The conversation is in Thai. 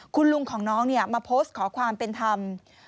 คุณลุงของน้องมาโพสต์ขอความเป็นธรรม